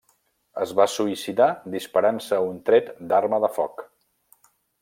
Es va suïcidar disparant-se un tret d'arma de foc.